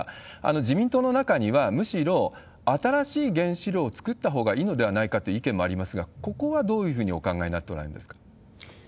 自民党の中にはむしろ、新しい原子炉を造ったほうがいいのではないかという意見もありますが、ここはどういうふうにお考えになっておられますか？